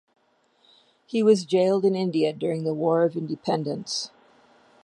He was jailed in India during the war of independence.